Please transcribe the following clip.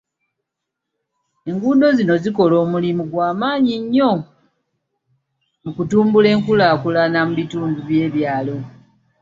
Enguudo zino zikola omulimu gw'amaanyi nnyo mu kutumbula enkulaakulana mu bitundu by'ebyalo.